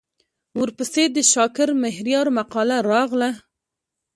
ورپسې د شاکر مهریار مقاله راغله.